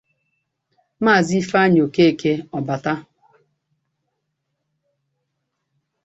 Maazị Ifeanyi Okeke-Obata